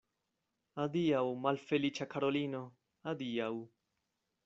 Adiaŭ, malfeliĉa Karolino, adiaŭ!